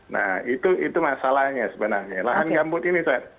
nah itu masalahnya sebenarnya lahan gambut ini saya